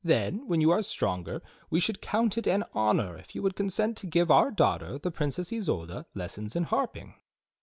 Then, when you are stronger, we should count it an honor if you would consent to give our daughter, the Princess Isolda, lessons in harping."